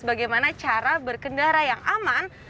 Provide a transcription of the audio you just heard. bagaimana cara berkendara yang aman